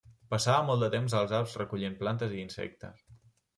Passava molt de temps als Alps recollint plantes i insectes.